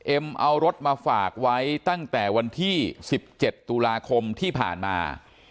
เอารถมาฝากไว้ตั้งแต่วันที่๑๗ตุลาคมที่ผ่านมา